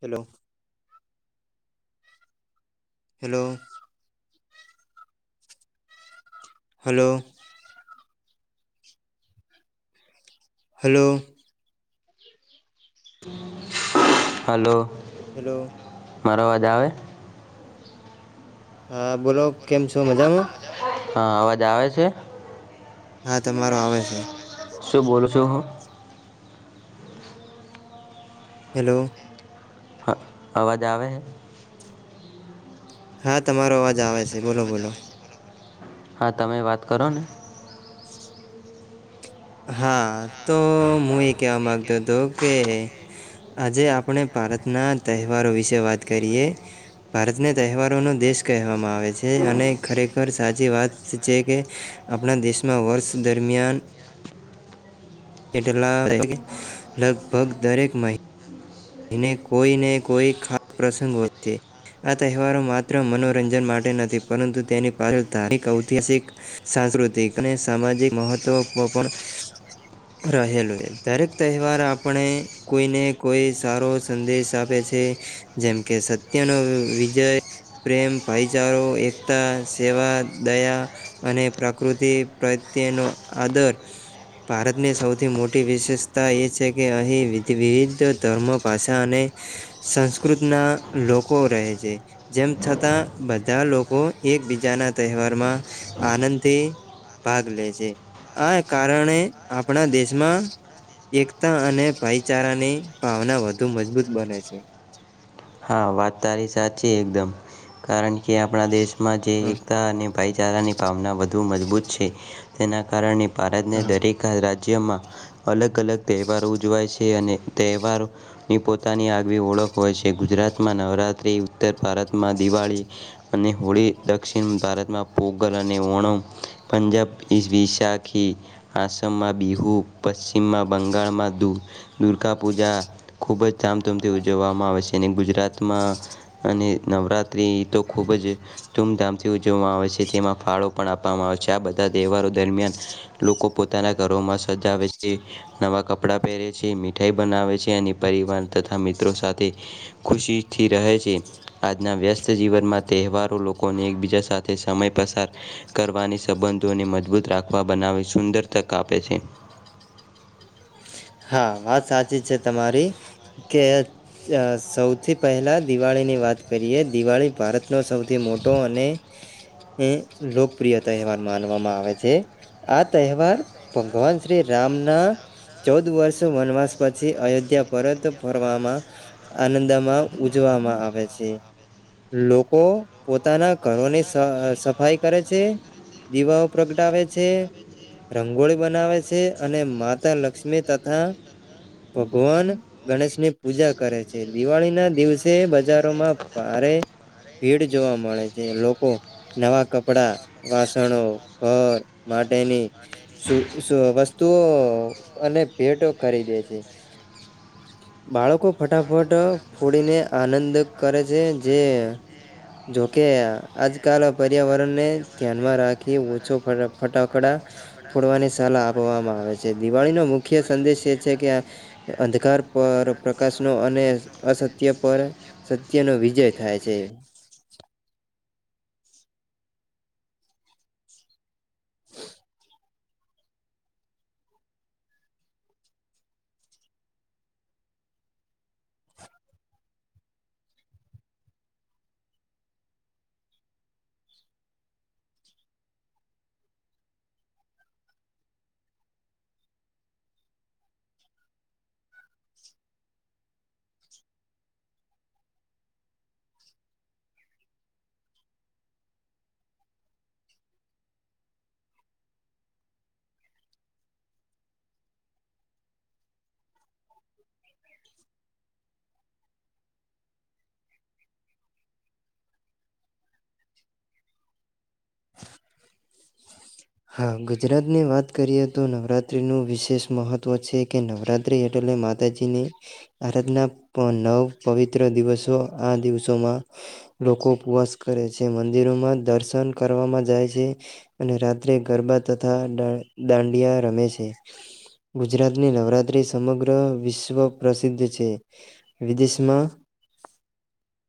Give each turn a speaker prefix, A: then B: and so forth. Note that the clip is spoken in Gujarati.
A: Hello hello hello hello
B: hello
A: hello
B: મારોવાજ આવે
A: હા બોલો કેમ છો મજામાં
B: હા અવાજ આવે છે
A: હા તમારો આવે છે
B: શું બોલું છું હું
A: હેલો
B: હ આવાજ આવૈ હ
A: હા તમારો અવાજ આવે છે બોલો બોલો
B: હા તમે વાત કરો ને
A: હા તો હું એ કહેવા માગતો હતો કે આજે આપણે ભારતના તહેવારો વિશે વાત કરીએ ભારતને તહેવારોનોો દેશ કહેવામાં આવે છે અને ખરેખર સાચી વાત છે કે આપણા દેશમાં વર્ષ દરમિયાન એટલા લગભગ દરેક મહિ એને કોઈને કોઈ ખાસ પ્રસંગ હોય છે આ તહેવારો માત્ર મનોરંજન માટે નથી પરંતુ તેની પાછળ ધાર્મિક ઐતિહાસિક સાંસ્કૃતિક અને સામાજિક મહત્વ રહેલું દરેક તહેવાર આપણે કોઈને કોઈ સારો સંદેશ આપે છે જેમ કે સત્યનો વિજય પ્રેમ ભાઈચારા એકતા સેવા દયા અને પ્રકૃતિ પ્રત્યેનો આદર ભારતની સૌથી મોટી વિશેષતા એ છે કે અહીં વિવિધ ધર્મ ભાષા અને સંસ્કૃતના લોકો રહે છે જેમ છતાં બધા લોકો એકબીજાના તહેવારમાં આનંદથી ભાગ લે છે આ કારણે આપણા દેશમાં એકતા અને ભાઈચારાની ભાવના વધુ મજબૂત બને છે
B: હા વાત તારી સાચી એકદમ કારણ કે આપણા દેશમાં જે એકતા અને ભાઈચારાની ભાવના વધુ મજબૂત છે તેના કારણે ભારતને
A: હા
B: દરેક રાજ્ય રાજ્યમાં અલગ અલગ તહેવારો ઉજવાય છે અને તહેવારોની પોતાની આગવી ઓળખ હોય છે ગુજરાત ભતમાં નવરાત્રી ઉત્તર ભારતમાં દિવાળી અને હોળી દક્ષિણ ભારતમાં પોગલ અને ઓણમ પંજાબ વિશાખી આસામમાં બિહુ પશ્ચિમમાં બંગાળમાં દુર્ગાપૂજા ખૂબ જ ધામધૂમથી ઉજવવામાં આવે છે અને ગુજરાત અને નવરાત્ર્રી તો ખૂબ જ ધૂમધામથી ઉજવવામાં આવે છે તેમાં ફ આપવામાં આવે છે આ બધા તહેવારો દરમિયાન લોકો પોતાના ઘરોમાં સજાવે છે નવાં કપડાં પહેરે છે મીઠાઈ બનાવે છે અને પરિવાર તથા મિત્રો સાથે ખુશી થી રહે છે આજના વ્યસ્ત જીવનમાં તહેવારો લોકોને એકબીજા સાથે સમય પસાર કરવાની સંબંધોને મજબૂત રાખવા બનાવી સુંદર તક આપે છે.
A: [inaudible] હા વાત સાચી છે તમારી કે સૌથી પહેલા દિવાળીની વા ત કરીએ દિવાળી ભારતનો સૌથી મોટો અને એ લોકપ્રિય તહેવાર માનવામાં આવે છે. આ તહેવાર ભગવાન શ્રી રામના ચૌદ વર્ષ વનવાસ પછી અયોધ્યા પરત ફરવામાં આનંદમાં ઉજવામાં માં આવે છે. લોકો પોતાના ઘરોની સફાઈ કરે છે. દીવાઓ પ્રગટાવે છે રંગોળી બનાવે છે અને માતા લક્ષ્મી તથા ભગવાન ગણેશની પૂજા કરે છે દિવાળી ના દિવસે બજારોમાં ભા રે ભીડ જોવા મળે છે લોકો નવા કપડા વાસણો ઘર માટેની સુ સુ વસ્તુઓ અને ભેટો કરી દે છે. બાળકો ફટાફટ ફોડીને આનંદ કરે છે જે જોકે આજકાલ પર્યાવરણને ધ્યાનમાં રાખી ઓછો ફટાકડા ફોડવાની સલાહ આપવામાં આવે છે. દિવાળીનો મુખ્ય સંદેશ એ છે કે અંધકાર પર પ્રકાશનો અને અસત્ય પર સત્ય નો વિજય થાય છે.
B: [unintelligible]
A: હા ગુજરાતની વાત કરીએ તો નવરાતિનું વિશેષ મહત્ત્વ છે કે નવરાત્રી એટલે માતાજી ની આરાધના નવ પવિત્ર દિવસો આ દિવસોમાં લોકો ઉપવાસ કરે છે મંદિરોમાં દર્શન કરવાવામાં જાય છે અને રા ત્રે ગરબા તથા દા દાંડિયા રમે છે. ગુજરાતની નવરાત્રી સમગ્ર વિશ્વ પ્રસિદ્ધ છે વિદેશમાં
B: [unintelligible]